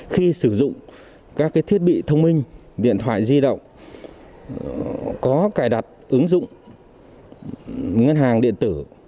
khi sử dụng các thiết bị thông minh điện thoại di động có cài đặt ứng dụng ngân hàng điện tử